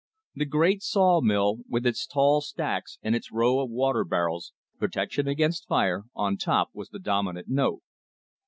The great saw mill, with its tall stacks and its row of water barrels protection against fire on top, was the dominant note.